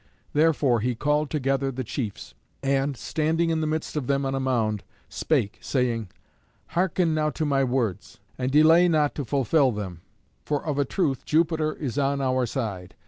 Therefore he called together the chiefs, and, standing in the midst of them on a mound, spake, saying, "Hearken now to my words, and delay not to fulfil them, for of a truth Jupiter is on our side.